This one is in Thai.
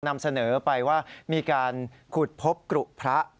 นำเสนอไปว่ามีการขุดพบกรุพระ